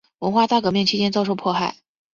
文化大革命期间遭受迫害。